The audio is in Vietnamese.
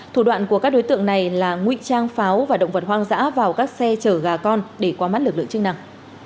thủ đoạn của các đối tượng này là nguy trang pháo và động vật hoang dã vào các xe chở gà con để qua mắt lực lượng chức năng